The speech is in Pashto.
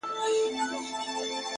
• زه چي سهار له خوبه پاڅېږمه،